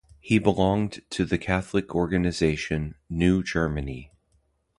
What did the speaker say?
He belonged to the Catholic organization "New Germany".